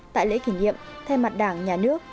tại lễ kỷ niệm thay mặt đảng nhà nước